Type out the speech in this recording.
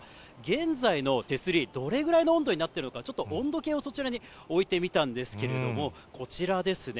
現在の手すり、どれくらいの温度になっているのか、ちょっと温度計をそちらに置いてみたんですけれども、こちらですね。